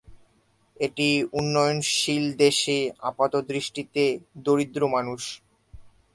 এটি উন্নয়নশীল দেশে আপাতদৃষ্টিতে দরিদ্র মানুষ।